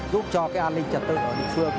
giúp cho cái an ninh trật tự ở địa phương